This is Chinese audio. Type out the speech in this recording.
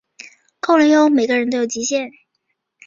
够了喔，每个人都有极限